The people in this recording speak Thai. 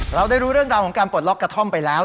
เราได้รู้เรื่องราวของการปลดล็อกกระท่อมไปแล้ว